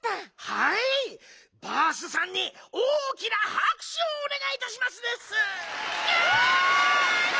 はいバースさんに大きなはくしゅをおねがいいたしますです！